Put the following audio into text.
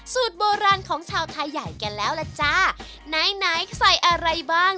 สูตรโบราณของชาวไทยใหญ่กันแล้วล่ะจ้าไหนไหนใส่อะไรบ้าง